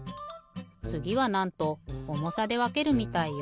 つぎはなんと重さでわけるみたいよ。